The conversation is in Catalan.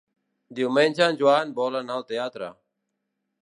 Diumenge en Joan vol anar al teatre.